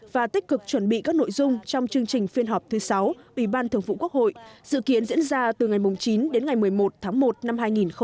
và tích cực chuẩn bị các nội dung trong chương trình phiên họp thứ sáu ủy ban thường vụ quốc hội dự kiến diễn ra từ ngày chín đến ngày một mươi một tháng một năm hai nghìn hai mươi